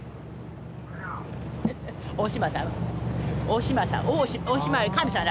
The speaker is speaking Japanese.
大島さん。